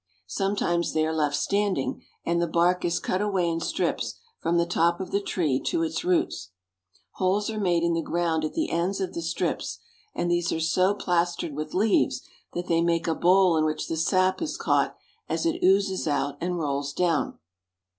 Sometimes they are left standing, and the bark is cut away in strips from the top of the tree to its roots. Holes are made in the ground at the ends of the strips, and these are so plastered with leaves that they make a bowl in which the sap is caught as it oozes out and rolls down.